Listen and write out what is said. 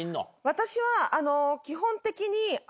私は基本的に。